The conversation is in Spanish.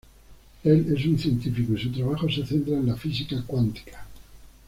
Él es un científico, y su trabajo se centra en la física cuántica.